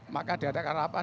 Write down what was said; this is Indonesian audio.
maka dia ada karena apa